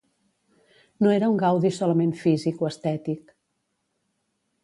No era un gaudi solament físic o estètic.